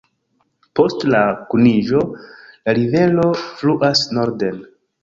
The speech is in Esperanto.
Post la kuniĝo la rivero fluas norden.